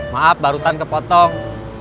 maaf barusan kepotong